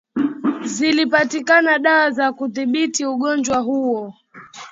zilipatikana dawa za kudhibiti ugonjwa huo